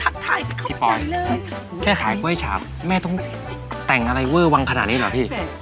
พี่ปอยแค่ขายกล้วยฉาบแม่ต้องแต่งอะไรเวอร์วังขนาดนี้เหรอพี่